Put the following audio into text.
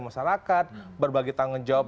masyarakat berbagi tanggung jawab